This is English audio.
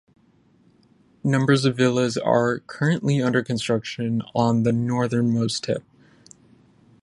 Numbers of villas are currently under construction on the northernmost tip.